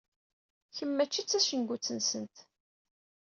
Kemm mačči d tacengut-nsent.